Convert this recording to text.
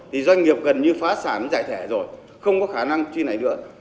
thì doanh nghiệp gần như phá sản giải thẻ rồi không có khả năng chi này nữa